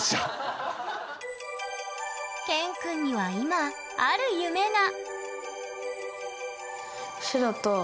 ＫＥＮくんには今ある夢が！